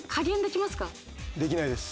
できないです。